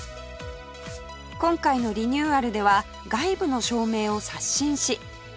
今回のリニューアルでは外部の照明を刷新し ＬＥＤ